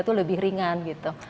itu lebih ringan gitu